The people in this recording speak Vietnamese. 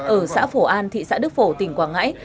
ở xã phổ an thị xã đức phổ tỉnh quảng ngãi